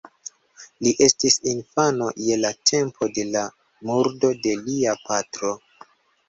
Li estis infano je la tempo de la murdo de lia patro.